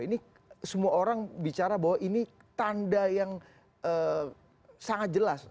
ini semua orang bicara bahwa ini tanda yang sangat jelas